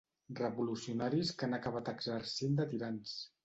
Revolucionaris que han acabat exercint de tirans.